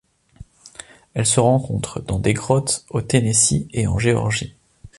Elle se rencontre dans des grottes au Tennessee et en Géorgie.